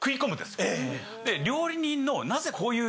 料理人の。